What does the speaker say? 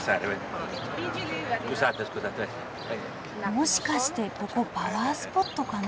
もしかしてここパワースポットかな？